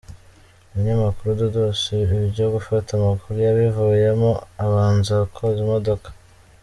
Umunyamakuru Dodos ibyo gufata amakuru yabivuyemo abanza koza imodoka.